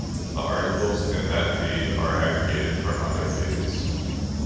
The articles in that feed are aggregated from other feeds.